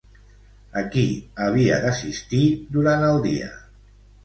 A qui havia d'assistir durant el dia?